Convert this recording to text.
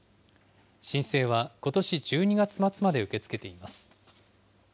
申請はことし１２月末まで受け付けています。